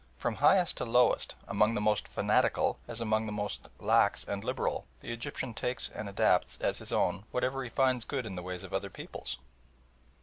From highest to lowest, among the most "fanatical" as among the most lax and liberal, the Egyptian takes and adopts as his own whatever he finds good in the ways of other peoples.